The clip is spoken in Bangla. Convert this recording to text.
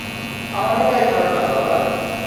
আমারও তাই ধারণা, বাবা।